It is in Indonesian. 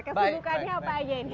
kesibukannya apa aja ini